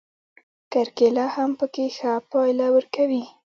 کرکېله هم پکې ښه پایله ورکوي.